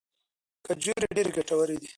کجورې ډیرې ګټورې دي.